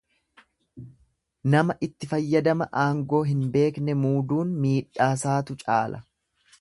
Nama itti fayyadama aangoo hin beekne muuduun miidhaasaatu caala.